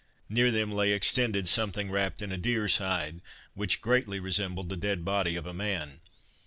Near them lay extended something wrapped in a deer's hide, which greatly resembled the dead body of a man.